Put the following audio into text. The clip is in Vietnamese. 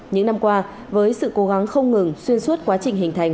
những năm qua với sự cố gắng không ngừng xuyên suốt quá trình hình thành